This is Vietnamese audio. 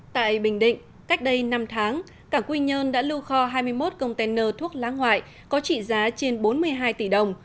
tại bình định cách đây năm tháng cảng quy nhơn đã lưu kho hai mươi một container thuốc lá ngoại có trị giá trên bốn mươi hai tỷ đồng